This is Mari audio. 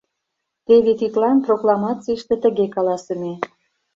Теве тидлан прокламацийыште тыге каласыме.